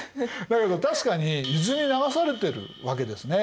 だけど確かに伊豆に流されてるわけですね。